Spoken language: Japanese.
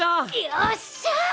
よっしゃ！